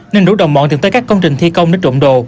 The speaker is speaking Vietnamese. nên đủ đồng bọn tìm tới các công trình thi công để trộm đồ